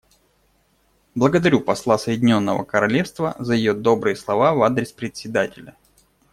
Благодарю посла Соединенного Королевства за ее добрые слова в адрес Председателя.